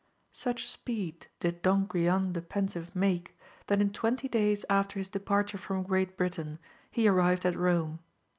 ITCH speed did Don Guilan the Pensive make, that in twenty days after his de parture from Great Britain he arrived at Eome.